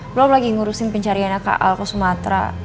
belom lagi ngurusin pencariannya kak al ke sumatera